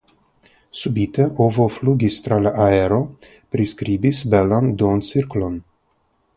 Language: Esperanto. Subite ovo flugis tra la aero, priskribis belan duoncirklon.